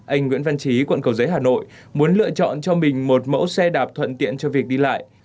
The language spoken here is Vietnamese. anh nguyễn văn trí quận cầu giấy hà nội muốn lựa chọn cho mình một mẫu xe đạp thuận tiện cho việc đi lại